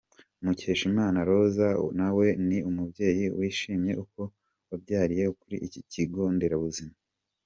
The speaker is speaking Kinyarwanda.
Mukeshima Rose nawe ni umubyeyi wishimiye uko wabyariye kuri iki kigo nderabuzima.